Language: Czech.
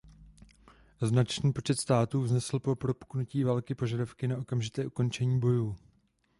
Značný počet států vznesl po propuknutí války požadavky na okamžité ukončení bojů.